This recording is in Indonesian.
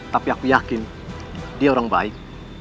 tapi aku yakin dia orang baik